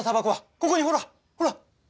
ここにほらほら！